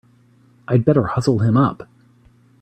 I'd better hustle him up!